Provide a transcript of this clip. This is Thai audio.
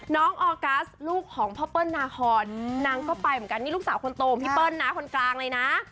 ออกัสลูกของพ่อเปิ้ลนาคอนนางก็ไปเหมือนกันนี่ลูกสาวคนโตของพี่เปิ้ลนะคนกลางเลยนะ